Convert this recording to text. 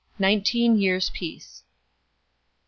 Nineteen years peace. c.